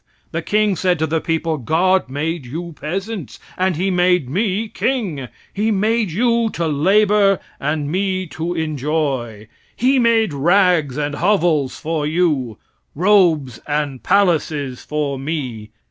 The king said to the people: "God made you peasants, and He made me king; He made you to labor, and me to enjoy; He made rags and hovels for you, robes and palaces for me.